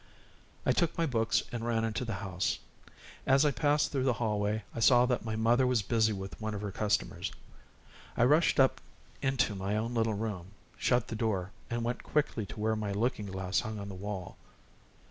I took my books and ran into the house. As I passed through the hallway, I saw that my mother was busy with one of her customers; I rushed up into my own little room, shut the door, and went quickly to where my looking glass hung on the wall.